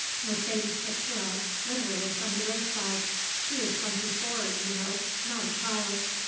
Mercedes picked her up, literally from the roadside. She is twenty four, you know; not a child."